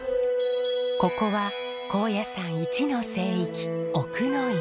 ここは高野山一の聖域奥之院。